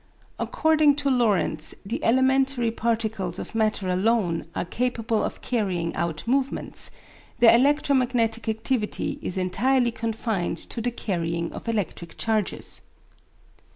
According to Lorentz the elementary particles of matter alone are capable of carrying out movements; their electromagnetic activity is entirely confined to the carrying of electric charges.